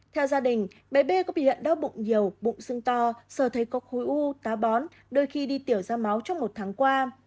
theo gia đình bé b có bị hiện đau bụng nhiều bụng sưng to sờ thấy có khối u tá bón đôi khi đi tiểu ra máu trong một tháng qua